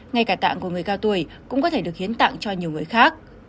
ngay cả tạng của người cao tuổi cũng có thể được hiến tặng cho nhiều người khác